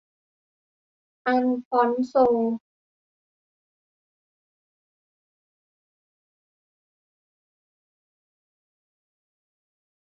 อัลฟอนโซ